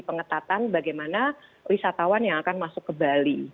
pengetatan bagaimana wisatawan yang akan masuk ke bali